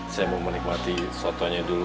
saya mau menikmati satwanya dulu